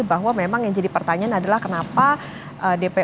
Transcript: bahwa memang yang jadi pertanyaan adalah kenapa dpr